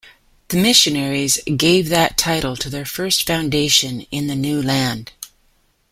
The missionaries gave that title to their first foundation in the new land.